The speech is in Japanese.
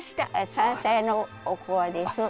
山菜のおこわです。